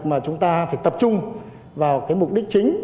mà chúng ta phải tập trung vào cái mục đích chính